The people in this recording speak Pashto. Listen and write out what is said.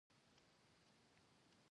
لمسی له کورني ادب سره لویېږي